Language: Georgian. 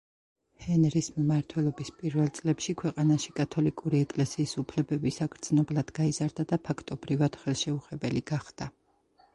ჰენრის მმართველობის პირველ წლებში ქვეყანაში კათოლიკური ეკლესიის უფლებები საგრძნობლად გაიზარდა და ფაქტობრივად, ხელშეუხებელი გახდა.